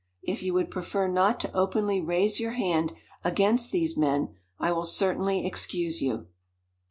If you would prefer not to openly raise your hand against these men, I will certainly excuse you."